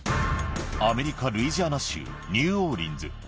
アメリカ・ルイジアナ州ニューオーリンズ。